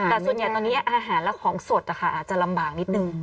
แต่ส่วนใหญ่ตอนนี้อาหารและของสดอาจจะลำบากนิดนึง